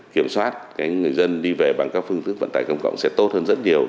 kiểm soát người dân đi về bằng các phương thức vận tải công cộng sẽ tốt hơn rất nhiều